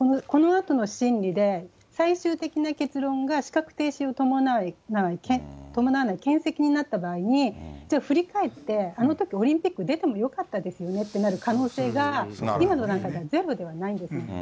このあとの審理で、最終的な結論が資格停止を伴わないけん責になった場合に、振り返って、あのときオリンピック出てもよかったですよねってなる可能性が、今の段階ではゼロではないんですね。